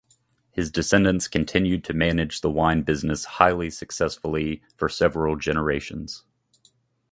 His descendants continued to manage the wine business highly successfully for several generations.